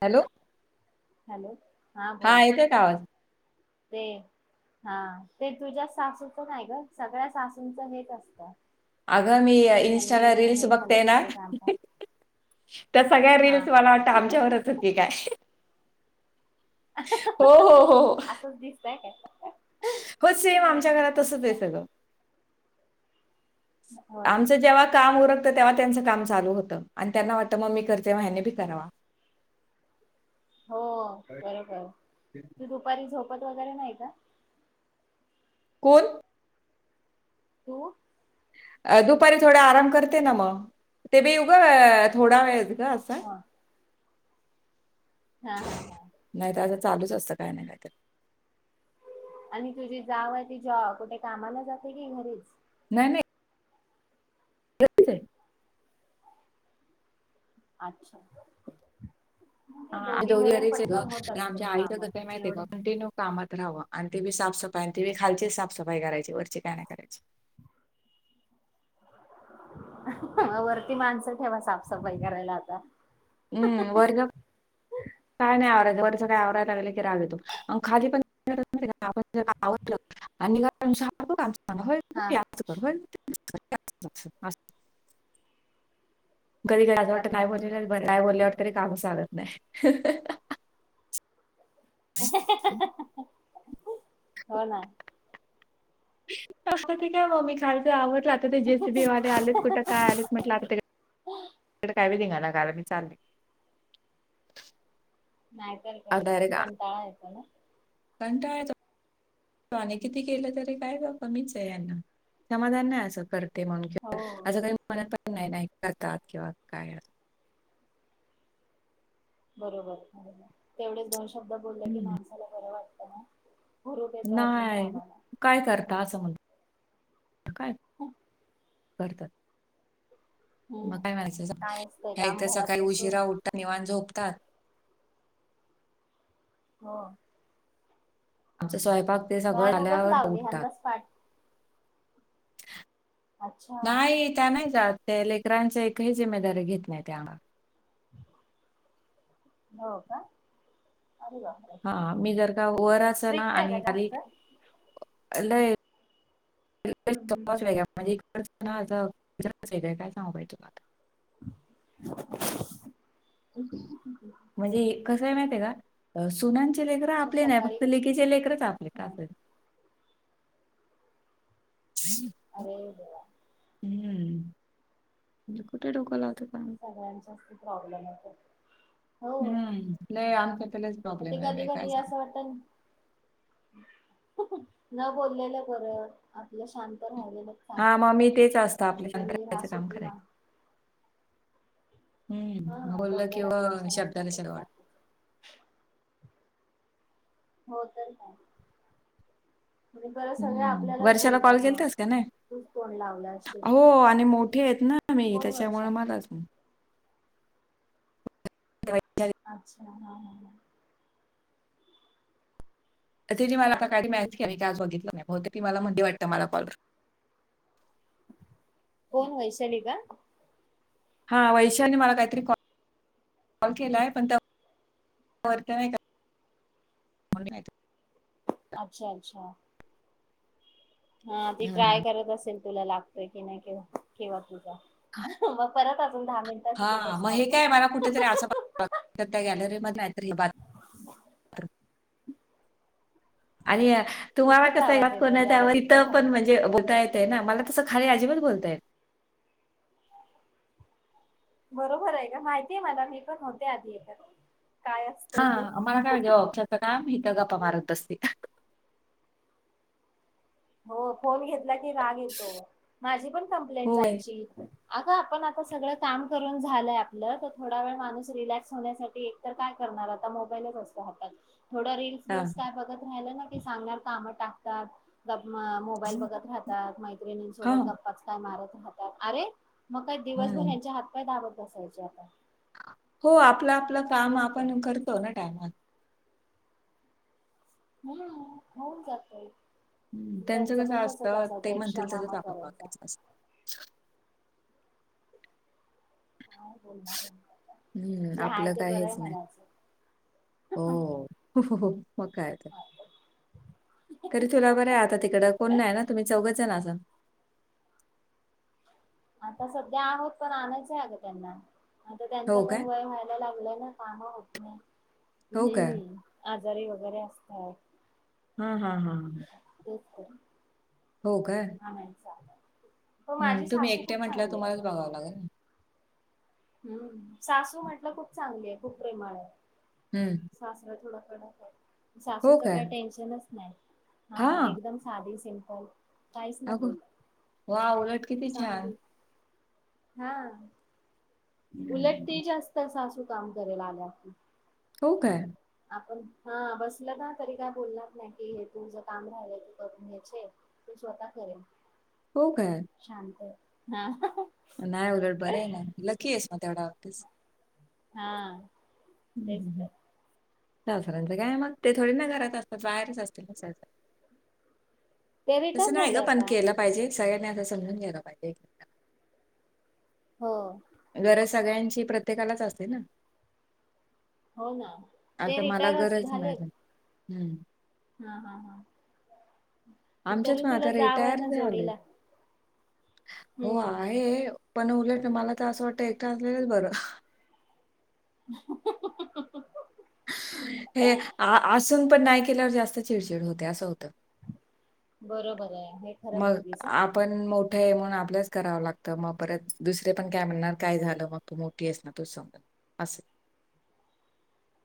Hello! Hello! हा बोल येतोय का आवाज ते हा ते तुझ्या सासूचं नाही गं, सगळ्या सासूचं हेच असतं. अगं मी की इंस्टाला यांनी रील्स हे झालं बघतेय की ना. ते काम कर. [unintelligible] त्या सगळ्या हा रील्स मला वाटतं, आमच्यावरच आहेत की, काय. हो हो हो असंच दिसतय काय हो सेम आमच्या घरात तसच अच्छा आहे सगळं. हो ना आमचं जेव्हा काम उरत तेव्हा त्यांचं काम चालू होतं आणि त्यांना वाटतं मग मी करते म्याने बी करावा हो बरोबर तू दुपारी झोपत वगैरे नाही का कोण हो दुपारी थोड आराम करते ना मग ते ब येऊ ग थोडा वेळ ग असं ह हा हा हा. नाही तर असं चालूच असतं काय ना काय तर. आणि तुझी जाऊ आहे ती कुठे कामाला जाते की घरीच. नाही नाही. एकटीच आहे. अच्छा. म्हणजे आम्ही दोघी मिळून घरीच आहे पटकन होत ग असतात आमच्या आईचं काम कसंही माहित आहे एवढं का कंटिन्यू. कामात राहावं आणि ती बी साफसफाई आणि ती बी खालचीच साफसफाई करायची वरची काय नाही करायची. [inaudible] वरती माणसं ठेवा साफसफाई करायला आता. हम्म वर्ग. काय नाही आवरायं वरचं काय आवरायला लागलं की रावेतोग खाली पण आपण ज आवडलं. आणि घर पण साप हा असतं. मस्त. कधी क असं वाटतं अरे काय बोलले बापरे नाहीय बोलली वाटतरी काम सांगत नाही. ह. हो ना. असं ठीक आहे मग मी खायचं आवडलं आता ते जेसीबीवाले आलेत कुठे काय आलेत. म्हटलं आता काय बी धिंगाणा घाला मी चालले. नाहीतर काय डायरेक्ट कंटाळ येतो ना. कंटाळा येतो. आणि किती केलं तरी काय ग कमीच आहे यांना समाधान नाही असं करत. ते हो म्हणूनि असं काही मणत पण नाही नाही करतात किंवा काय. बरोबर तेवढेच दोन शब्द बोलले की हम्म. माणसाला बरं वाटतं ना. हुरूप येतो अजून नाही कामाला. काय करता असं म्हण काय. करतात. मग हम्म. काय माणायचं काय असतंय ह्या काम इथं घरात सकाळी बसून. उशिरा उठतात निवांत झोपतात. हो. आमचा स्वयंपाक ते सगळं व्हॅन उगच झाल्यावर लावली उठतात ह्यांनाच पाठ अच्छा नाहीय त्या नाही जात ते लेकरांची एकही जिमेदारी घेत नाही त्या हो का अर का हा मी जर का वर अस ना का आणि खली जास्त? लय हम्म हम्म. म्हज आहे काय सांगू बा तुलाता [inaudible] म्हणजे कसं आहे माह आहे का सुना लेकर मग आपले नाही सकाळी फक्त कशी लेखचे लेकरच आपले का हा, हम् अरे ब हम्म म्हणजे कुठे डोक्या लावत का सगळ्यांचाच प्रॉब्लेम हो हम् आमच्या पलाच प्रॉब्लेम आहे काय सांग तर न बोललेलं बरं, आपलं शांत राहिलेलं, हा मग मी तेच असतं, आपल्या संत्रायाचं काम सुटी मा करायचं. हम्म. हा बोललं डोक्याला किं टेन्शनच शब्दाला नको शब्द ते वाढतो. बाकीचं हो तर काय? बरं सगळे हम्म. आपल्यालाच वर्षाला कॉल बोलतात म. केलतास का नाही तू फोन लावला असशील, हो आणि मोठी आहेत ना मी कोण त्याच्यामुळे वर्षा? मलाच मग. दिवाळीच्या आधी. अच्छा हा ह. तर ते ज मलाता सकाळी मॅसेज केला, मला म्हणली वाटतं मला कॉल कर. कोन वैशाली का? हा वैशालीनी मला काहीतरी कॉल, कॉल केलाय, पण त्या कॉलच नही का. मला नाही माहिती. अच्छा अच्छा. हा ती हम्म ट्राय करत असेल तुला लागतय की नाही ते, किंव्हा तुझा. मग परत अजून दहा मिनिट तथे बसणार तू. बघ, त्यात गॉलरी मध्ये आलत आणि तुम्हाला इथेच कस, आवाज येतोय ऑपवरनत त्यावर गॅलरीत इथं पण नव्हता. म्हणजे बलतायेत. [inaudible] ना, मला तसं खाली अजिबात बोलतायत बरोबरे का? माहितीय मला मी पण होते आधीे येच्यात, काय असतंय ते. हां, मला काय म्हणजे ऑफिसचं काम हिथ गपा मारत बसते. हो फोन घेतला की राग येतो, माझी पण कंप्लेंट होय. जायची. अग आपण आता सगळं काम करून झालंय आपलं, तर थोडा वेळ माणूस रिलॅक्स होण्यासाठी, काय करणार आता, मोबाईलच असतो हातात. हां, काय बगत राहिना ते सांगणार काम टाकतात, का म मोबाईल बघत राहतात, हां, मैत्रिणींसोबत गप्पाच काय मारत राहतात, अरे मग काय, दिवसभर हं. यांच्या हातपाय दाबत बसायचे, आता. हो, आपलं आपलं काम तेच तर. आपण करतो ना टायमात. हम्म होऊन जातय. त्यांचं कसं पण तसच असतं, ते असायचं एक्स्ट्रा म्हणतील तसंच, कामं आपण करायचा बघायचं अस. हं, जे आहे आपलं ते काय बरंय हेच नाही. म्हणायचं. हो हो हो मग काय? तरी तुला बरंय, आता तिकडं कोण नाही ना, तुम्ही चौघच जण असात. आता सध्या आहोत, पण आणायचय आग त्यांना, आता त्यांच हो पण, काय? वय व्हाय लागलं ना, काम होत नाही, हो का? हम्म, आजारी वगैरे असतात. हा हा हा. तेच त. हो काय? हो, माझी हम्म तुम्ही सासू एकटे खूप म्हटलं चांगली आग. [inaudible] हम्म, सासू म्हटलं खूप चांगलीये, खूप प्रेमळे. हम्म. सासरा थोड कडके, हो सासूच काय काही टेन्शनच नाही, हा एकदम साधी सिम्पल काहीच नाही अगो बोलत, वा उलट किती छान चांगलीये, हा. उलट ते हम्म. जास्त सासू काम करायल आल्यावरती. हो काय? आपण, हा बसल ना तरी काय बोलणार नाही, कि हे तुझ काम राहिलं तू करून घ्याचे. ती स्वतः करेन. हो काय? शांतये हा. नाही उलट बरं आहे ना लकी आहेस मग तेवढा ऑफिस हा तेच तर. सासऱ्यांचं काय मग ते थोडे ना घरात असतात बाहेरच असतील ना स ते तसं रिटायर नाही ग झाले पण आता केलं पाहिजे सगळ्यांनी असं समजून घेलं पाहिजे एक हो गरज सगळ्यांची प्रत्येकालाच असते ना हो ना. ते आता मला रिटायरच गरज झालेत नाही. हम् हा हा हा आमच्यात तरी पण तुला आता जाऊ आहे रिटायर ना झाले जोडीला हो हम्म. आहे, पण उलट मला तर असं वाटतं एकट असलेलंच बरं [unintelligible] हे असून पण नाही केल्यावर जास्त चिडचिड होते असं होतं. बरोबर आहे. भेट मग आप आपण मोठं आहे म्हणून आपल्याच करावं लागतं, मग परत दुसरे पण काय म्हणणार काय झालं मग तू मोठी आहेस ना तूच समज असे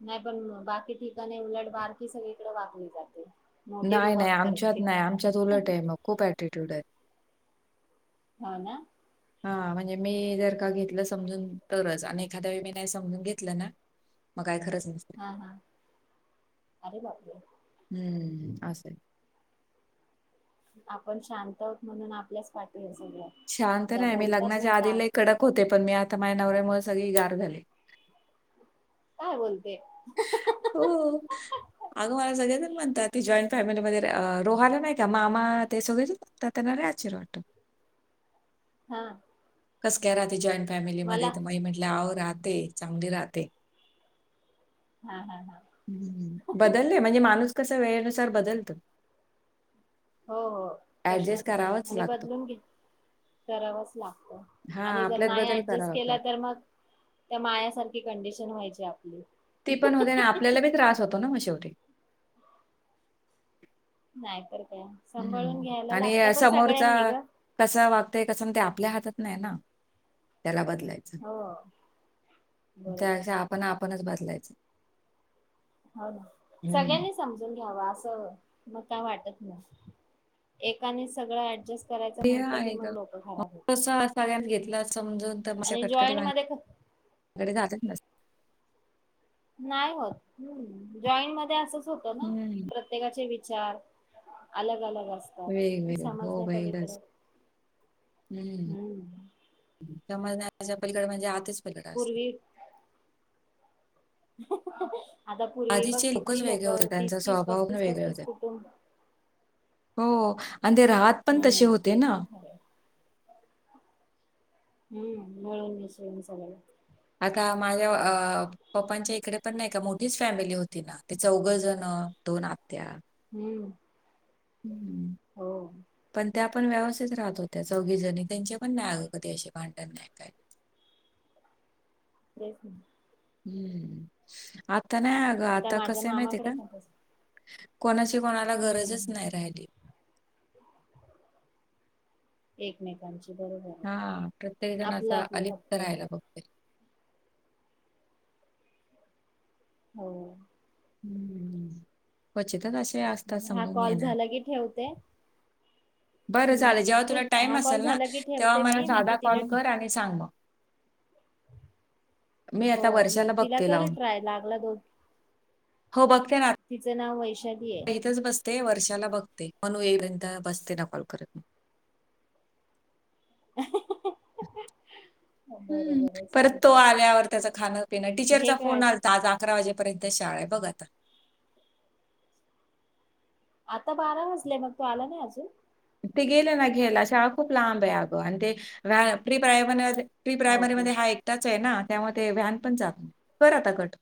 नाही पण बाकी ठिकाणी उलट बारकी सगळीकडे वाकली जाते. मोठी नाही रुबाब नाही आमच्यात करते नाही आमच्यात उलट आहे मग खूप ऍटिट्यूड आहे. हा ना. हा म्हणजे मी जर का घेतलं समजून तरच आणि एखाद्या वेळी मी नाही समजून घेतलं ना मग काय खरंच नसते. हा हा अरे बापरे. हम्म असंय आपण शांत आहे म्हणून आपल्याच पाठी आहे सगळ. शांत नाही मी लग्नाच्या आधी लई कडक होते पण मी आता माझ्या नवऱ्यामुळे सगळी गार झाले. काय बोलते हो. अगं मला सगळेजण म्हणतात ते जॉईंट फॅमिलीमध्ये रोहाला नाही का मामा ते सगळे तर त्यांना नाही आश्चर्य वाटत. हा कस काय राहते जॉईंट फॅमिलीमध्ये? मला तर मग म्हटले आव राहते चांगली राहते. हा हा हा बदलले म्हणजे माणूस कस वेळेनुसार बदलत. हो हो ऍडजस्ट प्रश्नच नाही करावाच आणि लागतो बदलून घे करावच लागत. हा आणि जर आपल्यात नाही बदल करावा ऍडजस्ट लागतो केला तर मग त्या मायासारखी कंडिशन व्हायची आपली ती पण होते ना आपल्याला बी त्रास होतो ना मग शेवटी नाहीतर काय सांभाळून हम्म. घ्यायला लागत पण सगळ्यांनी ग कसं वागतंय कसं ना ते आपल्या हातात नाही ना त्याला बदलायच हो बरोबर त्यापेक्षा आपण आपणच बदलायच. हो ना सगळ्यांनीच समजून घ्यावा अस मग काय वाटत नाही एकाने सगळं ऍडजेस्ट आहे ग मग तस सगळ्यात घेतला समजून तर मश्या आणि कटकटी जॉईंट मध्ये क- त्याकडे जातच नसते नाही होत जॉईट मध्ये असंच होतं ना हं. प्रत प्रत्येकाचे विचार अलग अलग असतात. वेगवेगळे. समज हो नाही बाई पलीकडे खरंच. हं. हम्. समजण्याच्या पलीकड म्हणजे आताच पलीकड असत पूर्वी आता पूर्वी बघ आधीचे किती लोकच लोक वेगळे होते. तीस त्यांचा तीस स्वभाव पण पस्तीस वेगळे पस्तीस होते. कुटुंब हो आणि ते राात हम्म ते पण खरं हम्म मिळून घश म सगला आता माझ्या पप्पांच्या इकडे पण नाही का मोठीच फॅमिली होती ना ते चौघ जण दोन आत्या. हम्म. हम्म. हो. पण त्या आपण व्यवस्थित राहत होत्या चौघी जणी त्यांचे पण नाही कधी अशे भांडत नाही काय तेच ना हम्म आता नाही अग आता माझ्या कस माहितीय मामाकडे का? पण तसं कोणाची कोणाला हम्म हम्म गरजच हम्म नाही राहिली एकमेकांची बरोबर आहे हा प्रत्येक जण आपलं असं आपलं अलिपत फक्त राहायला बघते हो ह् क्वचितच असे असतात हा समजून कॉल घेणार. झाला ठेवते बरं चालेल हम्म जेव्हा तू तुला टाइम हा कॉल असेल ना झाला की तेव्हा ठेवते मला मी मग तू साधा तिला कॉल कर आणि सांग मग मी हो आता ह वर्षाला तिला बघते कर लावून ट्राय लागला दोन हो बघते ना तिचं नाव वैशाली आहे. इथच बसते वर्षाला बघते म्हणू येईपर्यंत बसते ना कॉल करतग [inaudible] बरं हम्म बरं परत तो चालतंय. आल्यावर त्याच खाणं पिण घे टीचरचा फोन काळजी आज. आज अकरा वाजेपर्यंत शाळा आहे बघा आता. आता बारा वाजले मग तो आला ना अजून. ते गेले ना घेला शाळा खूप लांब आहे अगं आणि ते व फ्री प्रय म्हण. Pre primary okay. मध्ये हा एकटाच आहे ना त्यामुळे ते व्ह्यान पण ात कर आता कट.